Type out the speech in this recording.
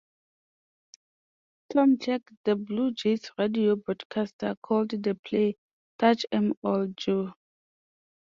Tom Cheek, the Blue Jays' radio broadcaster, called the play: Touch 'em all, Joe!